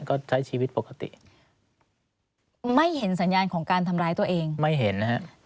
ก็ใช้ชีวิตปกติไม่เห็นสัญญาณของการทำร้ายตัวเองไม่เห็นนะฮะ